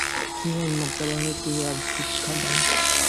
তিনি উন্মুক্তভাবে ক্রিয়া দীক্ষা দেন।